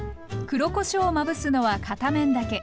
黒こしょうをまぶすのは片面だけ。